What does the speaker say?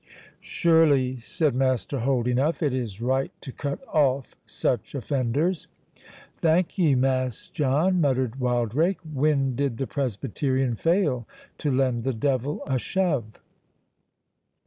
"Surely," said Master Holdenough, "it is right to cut off such offenders." "Thank ye, Mass John," muttered Wildrake; "when did the Presbyterian fail to lend the devil a shove?"